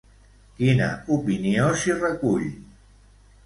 Quina opinió s'hi recull?